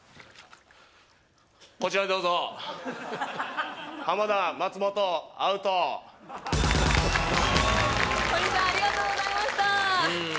こちらどうぞ浜田松本アウトホリさんありがとうございました